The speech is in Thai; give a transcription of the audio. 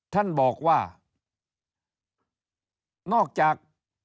ท่านบอกว่านอกจาก